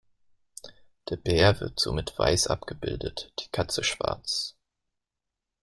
Der Bär wird somit weiß abgebildet, die Katze schwarz.